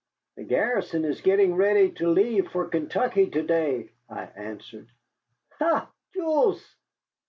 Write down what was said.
"The garrison is getting ready to leave for Kentucky to day," I answered. "Ha! Jules!